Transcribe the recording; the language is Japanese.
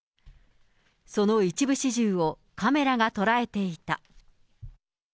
その一部始終をカメラが捉えていた。